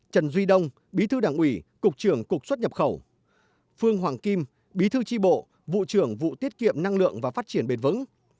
trần duy đông bí thư đảng ủy cục trưởng cục xuất nhập khẩu phương hoàng kim bí thư tri bộ vụ trưởng vụ tiết kiệm năng lượng và phát triển bền vững